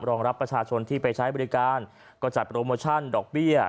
รองรับประชาชนที่ไปใช้บริการก็จัดโปรโมชั่นดอกเบี้ย